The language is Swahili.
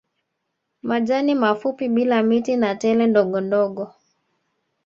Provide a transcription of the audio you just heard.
Majani mafupi bila miti na tele ndogondogo